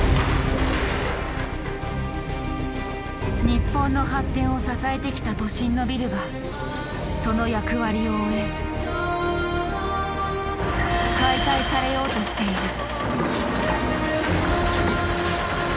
日本の発展を支えてきた都心のビルがその役割を終え解体されようとしている。